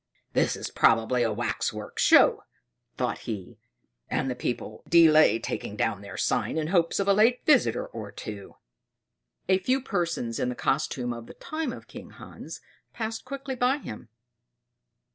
"That is probably a wax work show," thought he; "and the people delay taking down their sign in hopes of a late visitor or two." A few persons in the costume of the time of King Hans passed quickly by him.